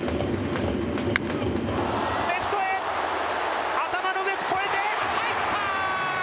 レフトへ頭の上を越えて入った！